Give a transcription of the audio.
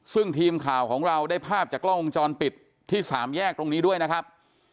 ซึ่งทีมข่าวของเราได้ภาพจากกล้องวงจรปิดที่สามแยกตรงนี้ด้วยนะครับ